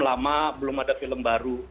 lama belum ada film baru